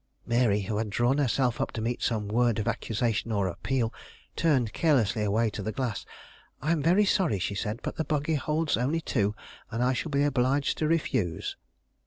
Mary, who had drawn herself up to meet some word of accusation or appeal, turned carelessly away to the glass. "I am very sorry," she said, "but the buggy holds only two, and I shall be obliged to refuse."